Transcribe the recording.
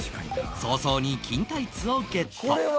早々に金タイツをゲット